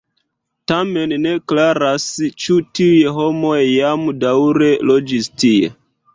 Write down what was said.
Tamen ne klaras, ĉu tiuj homoj jam daŭre loĝis tie.